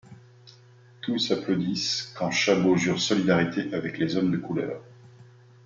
Tous applaudissent quand Chabot jure solidarité avec les hommes de couleur.